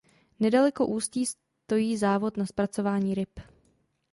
Nedaleko ústí stojí závod na zpracování ryb.